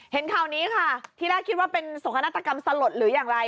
เห็นข่าวนี้ค่ะที่แรกคิดว่าเป็นสกนาฏกรรมสลดหรืออย่างไร